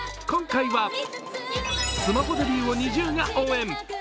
今回は、スマホデビューをＮｉｚｉＵが応援。